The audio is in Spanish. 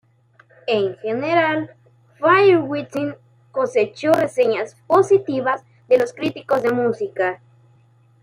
En general, "Fire Within" cosechó reseñas positivas de los críticos de música.